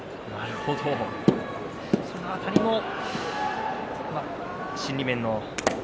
その辺りも心理面の。